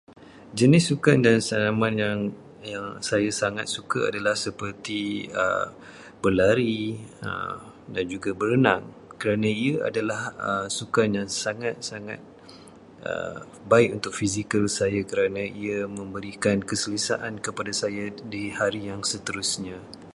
Jenis sukan dan senaman yang saya sangat suka adalah seperti berlari dan juga berenang kerana ia adalah sukan yang sangat-sangat baik untuk fizikal saya, kerana ia memberikan keselesaan kepada saya di hari yang seterusnya.